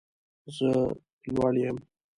زه لوړ یم